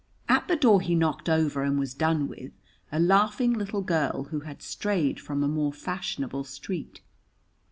At the door he knocked over, and was done with, a laughing little girl who had strayed from a more fashionable street.